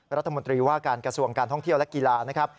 รัฐมนตรีว่าการกระทรวงการท่องเที่ยวและกีฬานะครับ